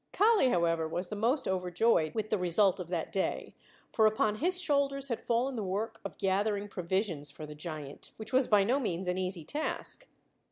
Kali, however, was the most overjoyed with the result of that day, for upon his shoulders had fallen the work of gathering provisions for the giant, which was by no means an easy task.